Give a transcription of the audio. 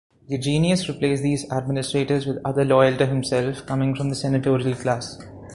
Eugenius replaced these administrators with others loyal to himself, coming from the senatorial class.